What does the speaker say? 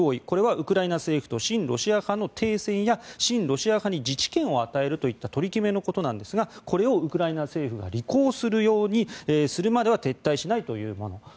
これはウクライナ政府と親ロシア派の停戦や親ロシア派に自治権を与えるという取り組みのことなんですがこれをウクライナ政府が履行するようにするまでは撤退しないというもの。